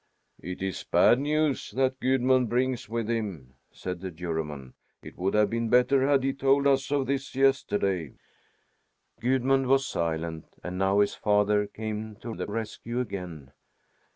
"It is bad news that Gudmund brings with him," said the Juryman. "It would have been better had he told us of this yesterday." Gudmund was silent; and now his father came to the rescue again.